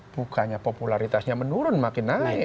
bukannya popularitasnya menurun makin naik